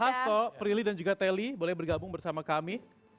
pada pak hasto prilly dan juga telly boleh bergabung bersama kami